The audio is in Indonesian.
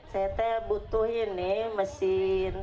saya butuh ini mesin